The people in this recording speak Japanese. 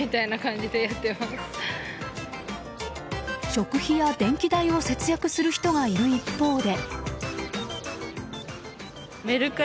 食費や電気代を節約する人がいる一方で。